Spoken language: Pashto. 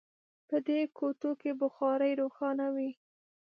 په دې کوټو کې بخارۍ روښانه وي